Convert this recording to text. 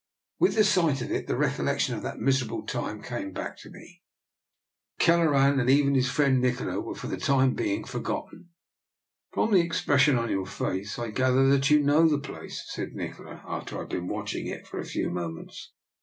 With the sight of it the recollection of that miserable time came back to me, and 56 DR. NIKOLA'S EXPERIMENT. Kelleran and even his friend Nikola were, for the time being, forgotten. From the expression upon your face I gather that you know the place," said Nikola, after I had been watching it for a few mo ments.